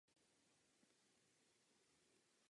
Ale o čem to tedy hovoříme?